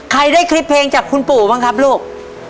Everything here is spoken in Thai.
ได้คลิปเพลงจากคุณปู่บ้างครับลูก